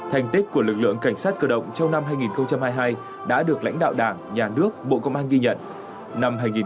thành tích của lực lượng cảnh sát cơ động trong năm hai nghìn hai mươi hai đã được lãnh đạo đảng nhà nước bộ công an ghi nhận